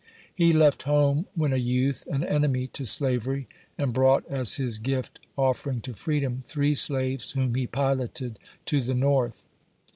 He left home when a youth, an enemy to slavery, and brought as his gift offering to freedom three slaves, whom he piloted to the North.